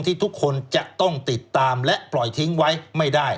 ที่ทุกคนจะต้องติดตามและปล่อยทิ้งไว้ไม่ได้